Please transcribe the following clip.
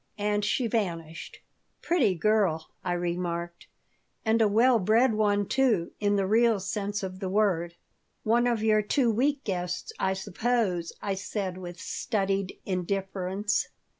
And she vanished "Pretty girl," I remarked "And a well bred one, too in the real sense of the word." "One of your two week guests, I suppose," I said, with studied indifference.